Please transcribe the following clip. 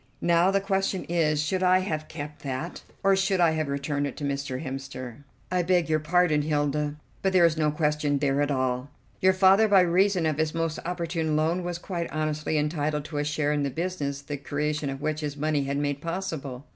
Now the question is, Should I have kept that, or should I have returned it to Mr. Hemster?" "I beg your pardon, Hilda, but there is no question there at all. Your father, by reason of his most opportune loan, was quite honestly entitled to a share in the business the creation of which his money had made possible."